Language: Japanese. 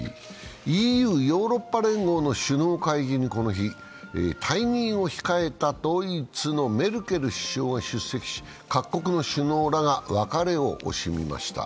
ＥＵ＝ヨーロッパ連合の首脳会議にこの日、退任を控えたドイツのメルケル首相が出席し、各国の首脳らが別れを惜しみました。